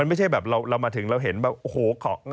มันไม่ใช่แบบเรามาถึงเราเห็นแบบโหของ